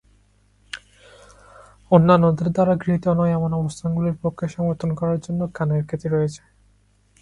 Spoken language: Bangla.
অন্যান্যদের দ্বারা গৃহীত নয় এমন অবস্থানগুলির পক্ষে সমর্থন করার জন্য কান এর খ্যাতি রয়েছে।